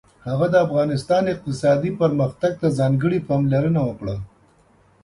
هغه د افغانستان اقتصادي پرمختګ ته ځانګړې پاملرنه وکړه.